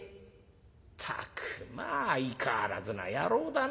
「ったくまあ相変わらずな野郎だな。